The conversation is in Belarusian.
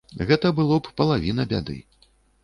Гэта было б палавіна бяды.